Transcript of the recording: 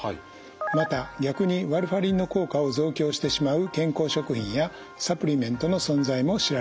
また逆にワルファリンの効果を増強してしまう健康食品やサプリメントの存在も知られています。